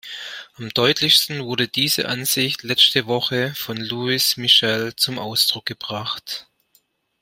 Am deutlichsten wurde diese Ansicht letzte Woche von Louis Michel zum Ausdruck gebracht.